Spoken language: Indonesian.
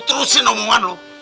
lu terusin omongan lu